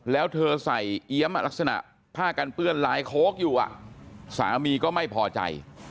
แล้วเธอใส่เอี๊ยมลักษณะผ้ากันเปื้อนลายโค้กอยู่สามีก็ไม่พอใจ